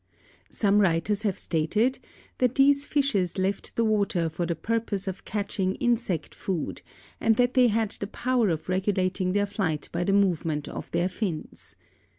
Some writers have stated that these fishes left the water for the purpose of catching insect food and that they had the power of regulating their flight by the movement of their fins.